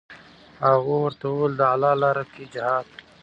هغو ورته وویل: د الله لاره کې جهاد.